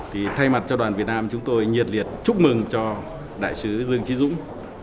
thay mặt cho đoàn việt nam chúng tôi nhiệt liệt chúc mừng cho đại sứ dương chí dũng